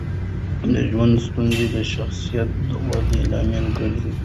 د ژوند ستونزې د شخصیت ودې لامل ګرځي.